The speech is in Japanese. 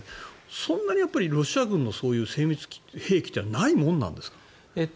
そんなにロシア軍の精密兵器というのはないものなんですか。